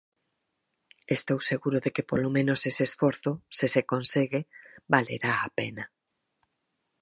Estou seguro de que polo menos ese esforzo, se se consegue, valerá a pena.